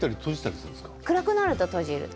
暗くなると閉じます。